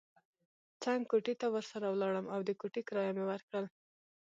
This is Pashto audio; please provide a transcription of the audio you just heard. څنګ کوټې ته ورسره ولاړم او د کوټې کرایه مې ورکړل.